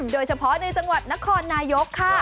โดยเฉพาะในจังหวัดนครนายกค่ะ